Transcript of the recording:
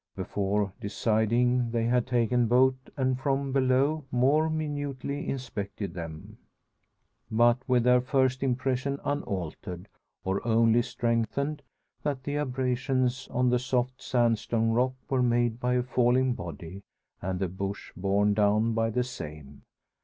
Before deciding they had taken boat, and from below more minutely inspected them. But with their first impression unaltered or only strengthened that the abrasions on the soft sandstone rock were made by a falling body, and the bush borne down by the same.